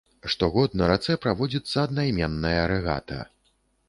Штогод на рацэ праводзіцца аднайменная рэгата.